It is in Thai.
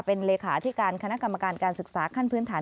เป็นเลขาที่การคณะกรรมการการศึกษาขั้นพื้นฐาน